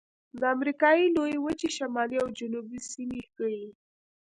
د امریکا لویې وچې شمالي او جنوبي سیمې ښيي.